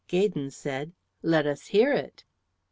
Gaydon said, "Let us hear it."